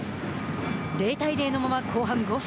０対０のまま後半５分